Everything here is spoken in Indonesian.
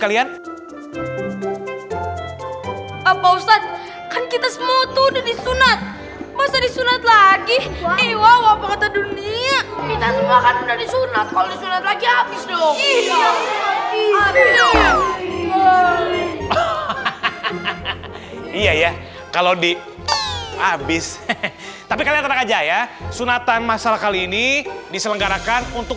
iya ya kalau di habis tapi kalian tenang aja ya sunatan masalah kali ini diselenggarakan untuk